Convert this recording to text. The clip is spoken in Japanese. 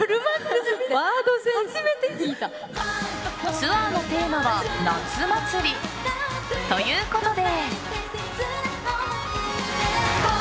ツアーのテーマは夏祭りということで。